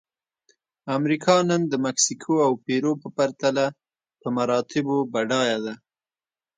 امریکا نن د مکسیکو او پیرو په پرتله په مراتبو بډایه ده.